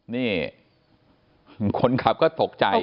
นี่คนขับก็ตกใจ